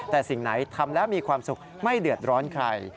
แต่สิ่งไหนทำแล้วมีความสุขไม่เดือดร้อนใคร